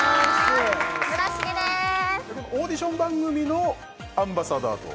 村重ですオーディション番組のアンバサダーという？